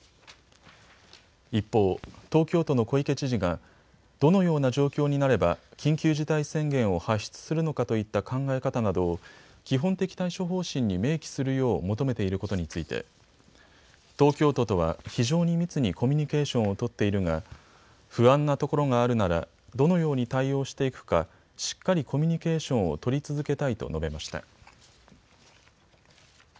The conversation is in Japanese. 一方、東京都の小池知事がどのような状況になれば緊急事態宣言を発出するのかといった考え方などを基本的対処方針に明記するよう求めていることについて東京都とは非常に密にコミュニケーションを取っているが、不安なところがあるならどのように対応していくかしっかりコミュニケーションを取り続けたいと述べました。